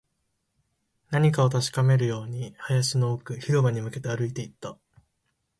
何かを確かめるように、林の奥、広場に向けて歩いていった